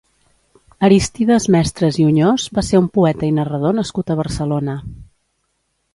Arístides Mestres i Oñós va ser un poeta i narrador nascut a Barcelona.